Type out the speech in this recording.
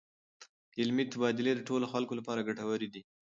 علمي تبادلې د ټولو خلکو لپاره ګټورې دي.